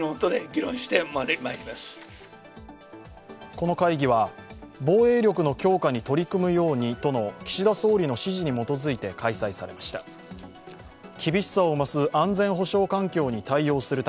この会議は防衛力の強化に取り組むようにとの岸田総理の指示に基づいて開催されました。